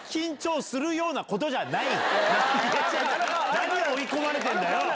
何追い込まれてんだよ！